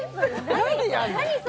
何やるの？